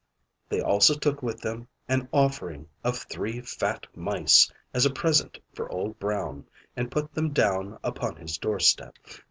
They also took with them an offering of three fat mice as a present for Old Brown, and put them down upon his door step.